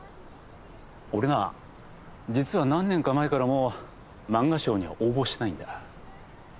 俺な実は何年か前からもう漫画賞には応募してないんだ。